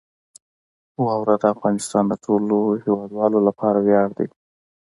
واوره د افغانستان د ټولو هیوادوالو لپاره ویاړ دی.